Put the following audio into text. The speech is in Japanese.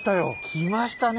来ましたね。